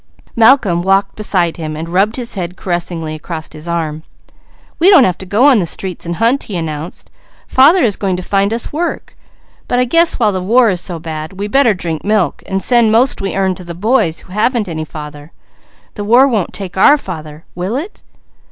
Malcolm walked beside him, rubbing his head caressingly across an arm. "We don't have to go on the streets and hunt," he announced. "Father is going to find us work. While the war is so bad, we'll drink milk, and send what we earn to boys who have no father. The war won't take our father, will it?"